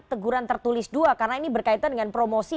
teguran tertulis dua karena ini berkaitan dengan promosi